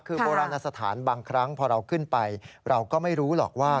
คือโบราณสถานบางครั้งพอเราขึ้นไปเราก็ไม่รู้หรอกว่า